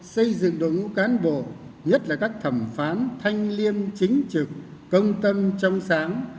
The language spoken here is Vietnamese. xây dựng đội ngũ cán bộ nhất là các thẩm phán thanh liêm chính trực công tâm trong sáng